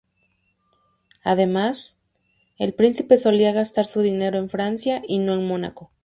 Además, el príncipe solía gastar su dinero en Francia y no en Mónaco.